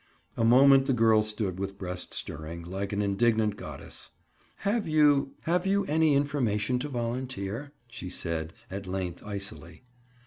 A moment the girl stood with breast stirring, like an indignant goddess. "Have you—have you any information to volunteer?" she said at length icily.